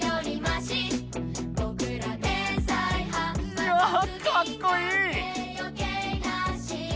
いやかっこいい！